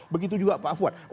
begitu juga pak fuad